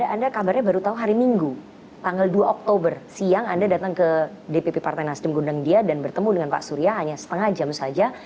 anda kabarnya baru tahu hari minggu tanggal dua oktober siang anda datang ke dpp partai nasdem gundeng dia dan bertemu dengan pak surya hanya setengah jam saja